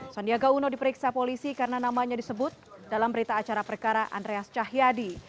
sandiaga uno diperiksa polisi karena namanya disebut dalam berita acara perkara andreas cahyadi